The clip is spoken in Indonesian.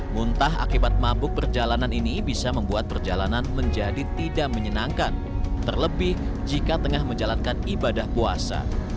muntah akibat mabuk perjalanan ini bisa membuat perjalanan menjadi tidak menyenangkan terlebih jika tengah menjalankan ibadah puasa